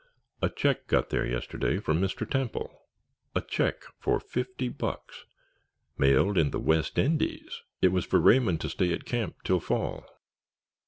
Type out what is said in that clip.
"A check got there yesterday from Mr. Temple—a check for fifty bucks—mailed in the West Indies. It was for Raymond to stay at camp till fall."